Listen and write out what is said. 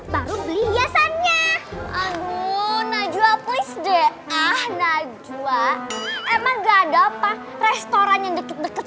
baru beli hiasannya aduh najwa please deh ah najwa emang enggak ada apa restoran yang deket deket